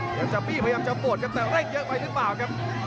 พยายามจะพวดแต่เร่งเยอะไหมครับ